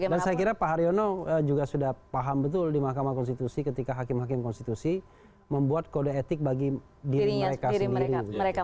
dan saya kira pak haryono juga sudah paham betul di mahkamah konstitusi ketika hakim hakim konstitusi membuat kode etik bagi diri mereka sendiri